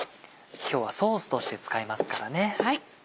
今日はソースとして使いますからね。